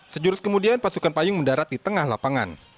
sejurus kemudian pasukan payung mendarat di tengah lapangan